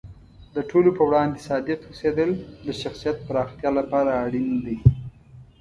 د ټولو په وړاندې صادق اوسیدل د شخصیت پراختیا لپاره اړین دی.